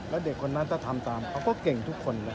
แล้วเด็กคนนั้นถ้าทำตามเขาก็เก่งทุกคนเลย